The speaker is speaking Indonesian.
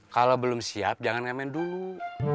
kalau belum siap jangan ngamen dulu